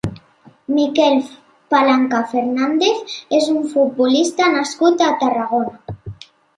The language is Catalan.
Miquel Palanca Fernández és un futbolista nascut a Tarragona.